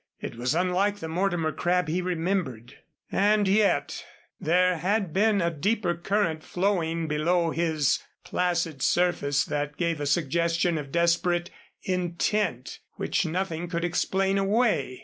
It was unlike the Mortimer Crabb he remembered. And yet there had been a deeper current flowing below his placid surface that gave a suggestion of desperate intent which nothing could explain away.